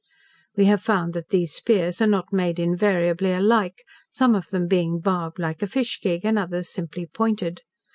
We have found that these spears are not made invariably alike, some of them being barbed like a fish gig, and others simply pointed.